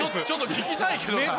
ちょっと聞きたいけどな。